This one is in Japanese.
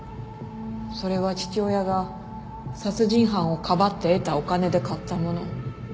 それは父親が殺人犯をかばって得たお金で買った物。